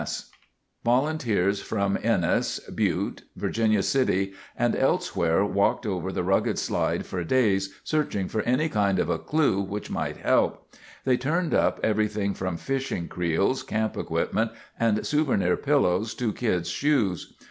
(Lewis—Montana Standard)] Volunteers from Ennis, Butte, Virginia City and elsewhere walked over the rugged slide for days searching for any kind of clue which might help. They turned up everything from fishing creels, camp equipment, and souvenir pillows to kids' shoes.